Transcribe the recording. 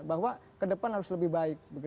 bahwa ke depan harus lebih baik